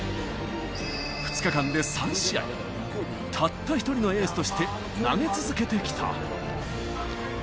２日間で３試合、たった１人のエースとして投げ続けてきた。